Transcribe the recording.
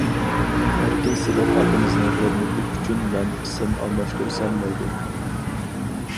ئەركىن سىدىق ئاكىمىزنىڭ ھۆرمىتى ئۈچۈن مەن ئىسىم ئالماشتۇرسام مەيلى.